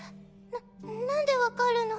な何で分かるの？